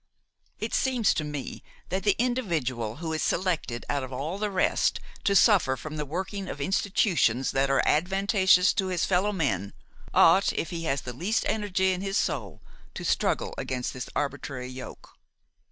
It seems to me that the individual who is selected out of all the rest to suffer from the working of institutions that are advantageous to his fellowmen ought, if he has the least energy in his soul, to struggle against this arbitrary yoke.